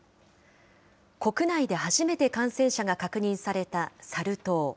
国内で初めて感染者が確認されたサル痘。